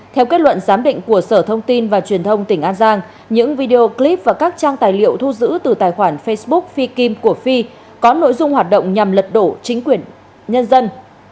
theo kết luận giám định của sở thông tin và truyền thông tỉnh an giang những video clip và các trang tài liệu thu giữ từ tài khoản facebook phi kim của phi có nội dung hoạt động nhằm lật đổ chính quyền nhân dân